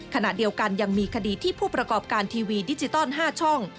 ขณะเดียวกันยังมีคดีที่ผู้ประกอบการทีวีดิจิตอล๕ช่อง